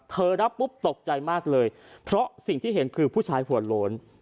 รับปุ๊บตกใจมากเลยเพราะสิ่งที่เห็นคือผู้ชายหัวโล้น